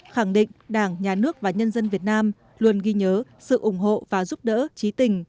khẳng định đảng nhà nước và nhân dân việt nam luôn ghi nhớ sự ủng hộ và giúp đỡ trí tình